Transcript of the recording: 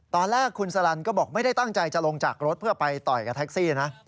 ตอนแรกคุณสลันก็บอกไม่ได้ตั้งใจจะลงจากรถเพื่อไปต่อยกับแท็กซี่นะ